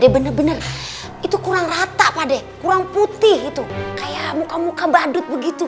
bener bener itu kurang rata pade kurang putih itu kayak muka muka badut begitu